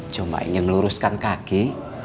cuma ingin luruskan kaki